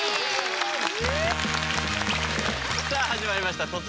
さあ始まりました